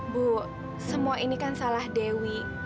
bu semua ini kan salah dewi